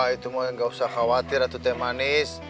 itu mau nggak usah khawatir itu teh manis